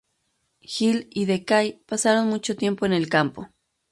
Hill y De Kay pasaron mucho tiempo en el campo.